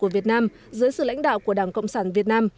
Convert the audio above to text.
của việt nam dưới sự lãnh đạo của đảng cộng sản việt nam